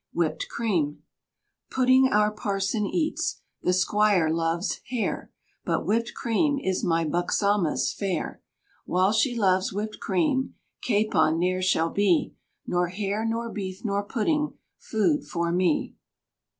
WHIPPED CREAM. Pudding our parson eats, the squire loves hare, But whipped cream is my Buxoma's fare, While she loves whipped cream, capon ne'er shall be, Nor hare, nor beef, nor pudding, food for me.